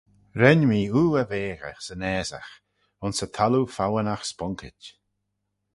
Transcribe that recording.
Ren mee oo y veaghey 'syn assagh, ayns y thalloo fowanagh sponkit.